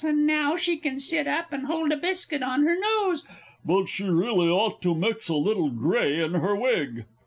and now she can sit up and hold a biscuit on her nose ... but she really ought to mix a little grey in her wig!